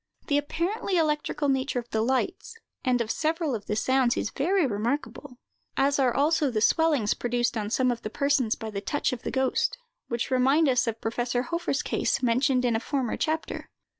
The apparently electrical nature of the lights, and of several of the sounds, is very remarkable, as are also the swellings produced on some of the persons by the touch of the ghost, which remind us of Professor Hofer's case, mentioned in a former chapter.